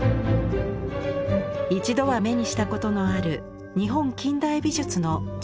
一度は目にしたことのある日本近代美術の重要文化財。